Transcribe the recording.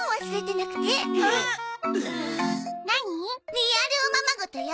リアルおままごとよ。